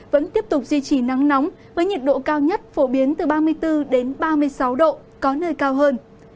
vẫn tiếp tục duy trì nắng nóng với nhiệt độ cao nhất phổ biến từ ba mươi bốn ba mươi sáu độ có nơi cao hơn